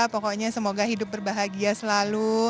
pokoknya semoga hidup berbahagia selalu